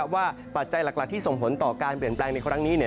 ปัจจัยหลักที่ส่งผลต่อการเปลี่ยนแปลงในครั้งนี้